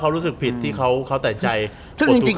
เขารู้สึกผิดที่เขาแต่งใจ